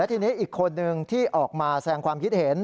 ทีนี้อีกคนนึงที่ออกมาแสงความคิดเห็น